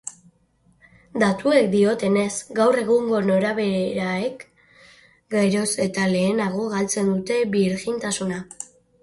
Datuek diotenez, gaur egungo nerabeek geroz eta lehenago galtzen dute birjintasuna.